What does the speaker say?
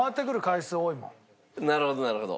だってなるほどなるほど。